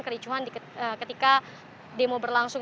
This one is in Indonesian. kericuhan ketika demo berlangsung